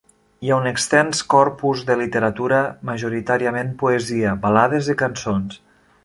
Hi ha un extens corpus de literatura, majoritàriament poesia, balades i cançons.